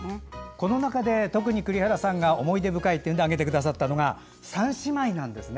この中で特に栗原さんが思い出深いと挙げてくださったのが「三姉妹」なんですね。